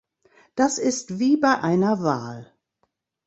Das ist wie bei einer Wahl.